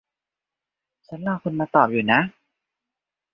ฉันรอคุณมาตอบอยู่นะ